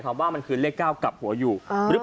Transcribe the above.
ก็คิดว่ามันคือเลข๙กลับหัวอยู่